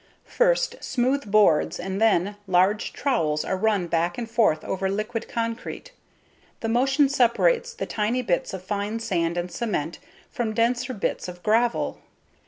First, smooth boards and then, large trowels are run back and forth over liquid concrete. The motion separates the tiny bits of fine sand and cement from denser bits of gravel.